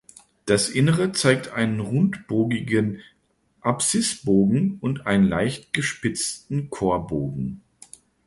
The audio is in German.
Das Innere zeigt einen rundbogigen Apsisbogen und einen leicht gespitzten Chorbogen.